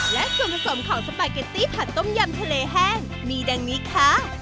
และส่วนผสมของสปาเกตตี้ผัดต้มยำทะเลแห้งมีดังนี้ค่ะ